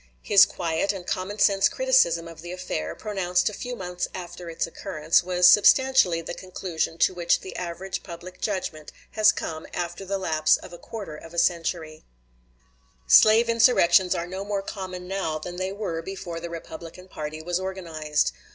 His quiet and common sense criticism of the affair, pronounced a few months after its occurrence, was substantially the conclusion to which the average public judgment has come after the lapse of a quarter of a century: Lincoln, Cooper Institute Speech, Feb. 27, 1860. Slave insurrections are no more common now than they were before the Republican party was organized.